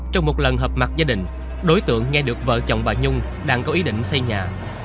trong một lần hợp mặt gia đình đối tượng nghe được vợ chồng bà nhung đang có ý định xây nhà